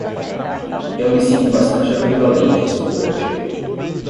Eu me sinto bastante ambivalente sobre o artigo.